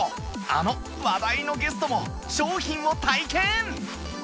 あの話題のゲストも商品を体験！